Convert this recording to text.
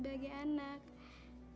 bagaimana pak dr